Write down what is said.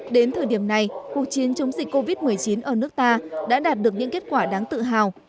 đến thời điểm này cuộc chiến chống dịch covid một mươi chín ở nước ta đã đạt được những kết quả đáng tự hào